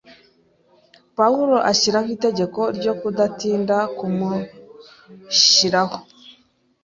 Pawulo ashyiraho itegeko ryo kudatinda kumushiraho.